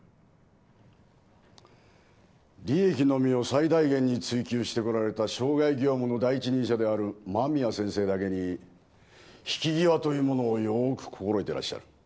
利益のみを最大限に追求してこられた渉外業務の第一人者である間宮先生だけに引き際というものをよく心得てらっしゃる。